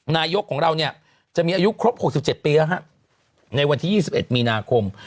นายกของเราเนี่ยจะมีอายุครบหกสิบเจ็ดปีแล้วฮะในวันที่ยี่สิบเอ็ดมีนาคม